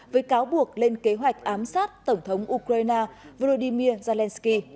với cáo buộc lên kế hoạch ám sát tổng thống ukraine volodymyr zelensky